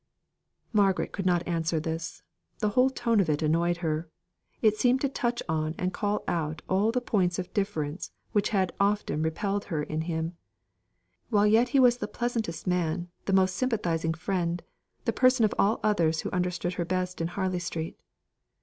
Margaret could not answer this. The whole tone of it annoyed her. It seemed to touch on and call out all the points of difference which had often repelled her in him; while yet he was the pleasantest man, the most sympathising friend, the person of all others who understood her best in Harley Street.